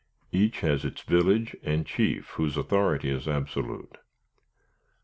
Each has its village and chief, whose authority is absolute.